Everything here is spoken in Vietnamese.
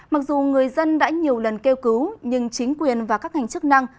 mặc dù người dân đã nhiều lần kêu cứu nhưng chính quyền và các ngành chức năng